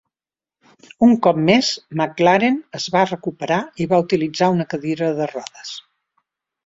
Un cop més, MacLaren es va recuperar i va utilitzar una cadira de rodes.